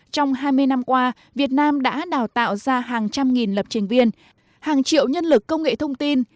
trong hai mươi năm qua việt nam đã đào tạo ra hàng trăm nghìn lập trình viên hàng triệu nhân lực công nghệ thông tin